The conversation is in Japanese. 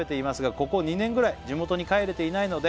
「ここ２年ぐらい地元に帰れていないので」